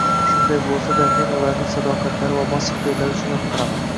Shunday bo`lsada, men ularning sadoqatlari va bosiq fe`llari uchun yoqtiraman